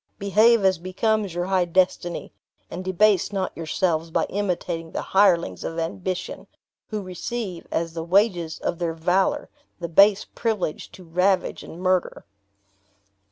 Behave as becomes your high destiny; and debase not yourselves by imitating the hirelings of ambition, who receive, as the wages of their valor, the base privilege to ravage and to murder.